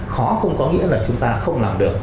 khó không có nghĩa là chúng ta không làm được